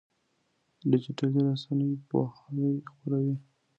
ډيجيټلي رسنۍ پوهاوی خپروي.